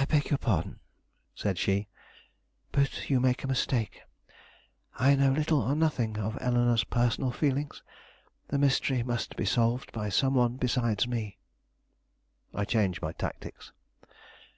"I beg your pardon," said she; "but you make a mistake. I know little or nothing of Eleanore's personal feelings. The mystery must be solved by some one besides me." I changed my tactics.